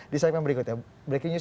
di saat yang berikutnya breaking news